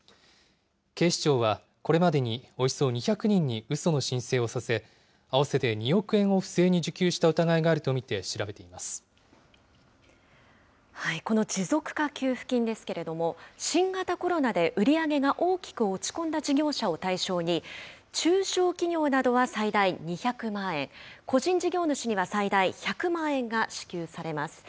警視庁は、これまでにおよそ２００人にうその申請をさせ、合わせて２億円を不正に受給した疑いがこの持続化給付金ですけれども、新型コロナで売り上げが大きく落ち込んだ事業者を対象に、中小企業などは最大２００万円、個人事業主には最大１００万円が支給されます。